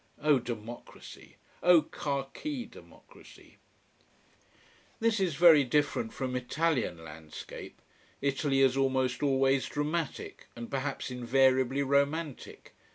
Oh democracy! Oh khaki democracy! This is very different from Italian landscape. Italy is almost always dramatic, and perhaps invariably romantic.